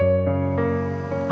apa sudah ngasih tanda